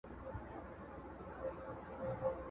دهقان څه چي لا په خپل کلي کي خان وو!!